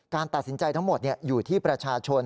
ตัดสินใจทั้งหมดอยู่ที่ประชาชน